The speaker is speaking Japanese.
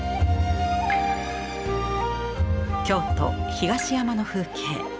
京都・東山の風景。